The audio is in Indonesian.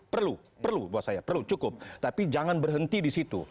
perlu perlu buat saya perlu cukup tapi jangan berhenti di situ